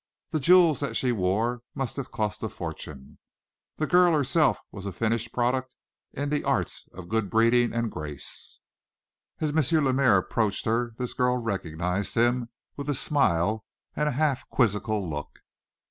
The jewels that she wore must have cost a fortune. The girl herself was a finished product in the arts of good breeding and grace. As M. Lemaire approached her, this girl recognized him with a smile and a half quizzical look.